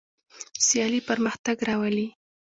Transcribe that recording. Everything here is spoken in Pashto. سیالي پرمختګ راولي.